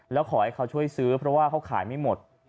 แล้วขอให้เขาช่วยซื้อเพราะว่าเขาขายไม่หมด